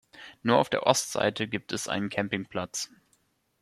Nur auf der Ostseite gibt es einen Campingplatz.